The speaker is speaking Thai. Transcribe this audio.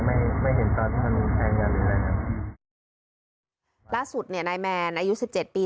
ไม่ไม่เห็นตอนที่ท่านแทงกันนะครับล่าสุดเนี่ยนายแมนอายุสิบเจ็ดปี